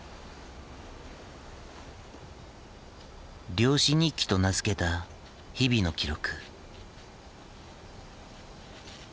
「漁師日記」と名付けた日々の記録。